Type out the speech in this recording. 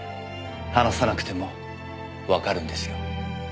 話さなくてもわかるんですよ。